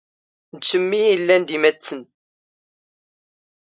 ⴷ ⵛⵎⵎ ⵉ ⵉⵍⵍⴰⵏ ⴷ ⵢⵎⵎⴰⵜⵙⵏ?